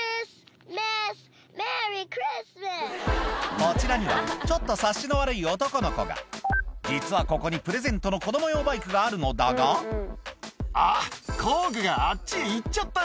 こちらにはちょっと察しの悪い男の子が実はここにプレゼントの子供用バイクがあるのだが「あっ工具があっちへ行っちゃったよ」